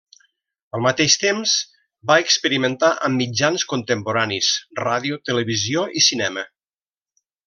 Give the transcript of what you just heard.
Al mateix temps, va experimentar amb mitjans contemporanis: ràdio, televisió i cinema.